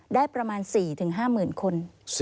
ได้ประมาณ๔๕หมื่นคน